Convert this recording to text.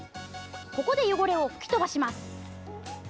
ここで汚れを吹き飛ばします。